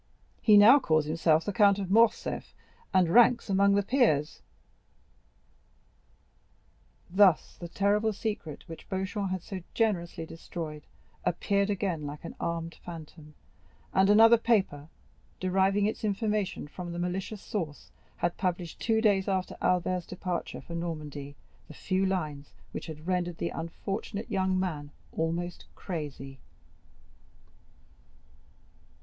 He now calls himself the Count of Morcerf, and ranks among the peers." Thus the terrible secret, which Beauchamp had so generously destroyed, appeared again like an armed phantom; and another paper, deriving its information from some malicious source, had published two days after Albert's departure for Normandy the few lines which had rendered the unfortunate young man almost crazy.